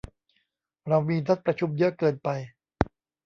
เรามีนัดประชุมเยอะเกินไป